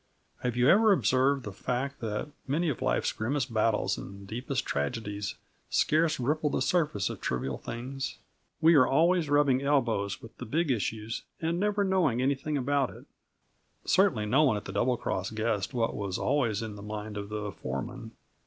Have you ever observed the fact that many of life's grimmest battles and deepest tragedies scarce ripple the surface of trivial things? We are always rubbing elbows with the big issues and never knowing anything about it. Certainly no one at the Double Cross guessed what was always in the mind of the foreman.